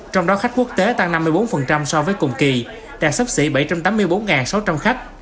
trong đó khách quốc tế tăng năm mươi bốn so với cùng kỳ đạt sắp xỉ bảy trăm tám mươi bốn sáu trăm linh khách